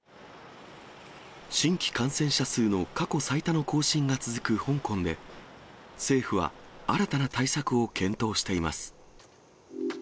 新規感染者数の過去最多の更新が続く香港で、政府は新たな対策を検討しています。